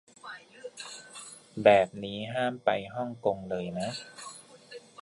แบบนี้ห้ามไปฮ่องกงเลยนะ